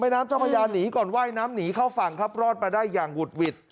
น้ำเจ้าพญาหนีก่อนว่ายน้ำหนีเข้าฝั่งครับรอดมาได้อย่างหุดหวิด